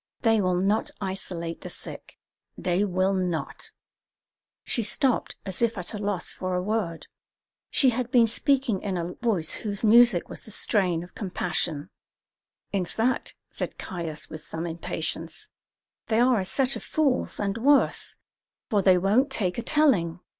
They will not isolate the sick; they will not " She stopped as if at a loss for a word. She had been speaking in a voice whose music was the strain of compassion. "In fact," said Caius, with some impatience, "they are a set of fools, and worse, for they won't take a telling.